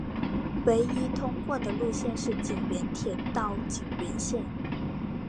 唯一通过的路线是井原铁道井原线。